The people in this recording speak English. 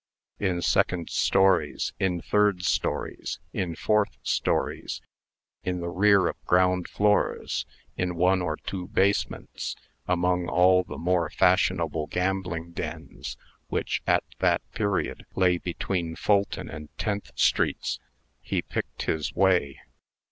In second stories, in third stories, in fourth stories, in the rear of ground floors, in one or two basements, among all the more fashionable gambling dens, which, at that period, lay between Fulton and Tenth streets, he picked his way.